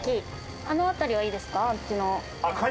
あの辺りはいいですか？